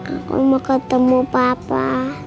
aku mau ketemu papa